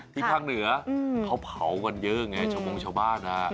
ภาคเหนือเขาเผากันเยอะไงชาวมงชาวบ้าน